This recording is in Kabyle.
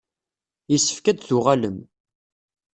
Yessefk ad d-tuɣalem.